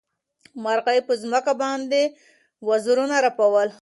مرغۍ په ځمکه باندې وزرونه رپول.